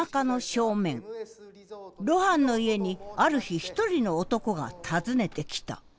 露伴の家にある日一人の男が訪ねてきた。